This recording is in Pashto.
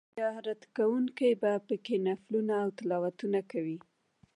زیارت کوونکي په کې نفلونه او تلاوتونه کوي.